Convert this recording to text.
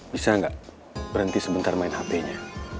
bisa gak berhenti sebentar main hpnya